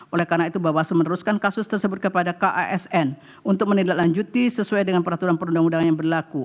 oleh karena itu bawaslu meneruskan kasus tersebut kepada kasn untuk menindaklanjuti sesuai dengan peraturan perundang undangan yang berlaku